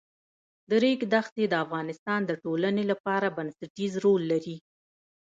د ریګ دښتې د افغانستان د ټولنې لپاره بنسټيز رول لري.